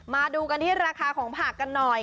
มาดูกันที่ราคาของผักกันหน่อย